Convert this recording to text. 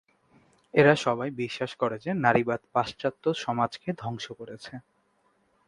এরা সবাই বিশ্বাস করে যে, নারীবাদ পাশ্চাত্য সমাজকে ধ্বংস করেছে।